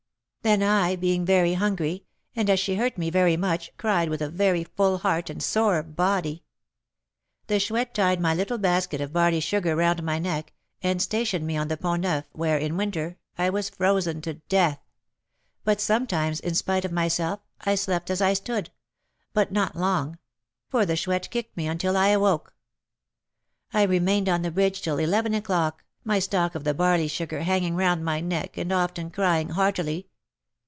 Then I, being very hungry, and as she hurt me very much, cried with a very full heart and sore body. The Chouette tied my little basket of barley sugar round my neck, and stationed me on the Pont Neuf, where, in winter, I was frozen to death. Yet sometimes, in spite of myself, I slept as I stood, but not long; for the Chouette kicked me until I awoke. I remained on the bridge till eleven o'clock, my stock of barley sugar hanging round my neck, and often crying heartily.